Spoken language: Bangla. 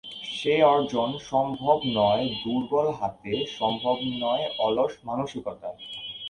সে অর্জন সম্ভব নয় দুর্বল হাতে, সম্ভব নয় অলস মানসিকতায়।